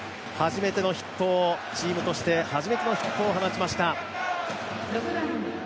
チームとして初めてのヒットを放ちました。